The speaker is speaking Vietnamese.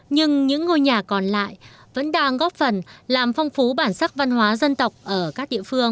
nhưng những ngôi nhà còn lại vẫn đang góp phần làm phong phú bản sắc văn hóa dân tộc ở các địa phương